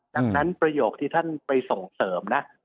ดังนั้นประโยคที่ท่านไปส่งเสริมนะ